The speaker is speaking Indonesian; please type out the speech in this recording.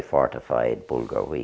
berusaha untuk berusaha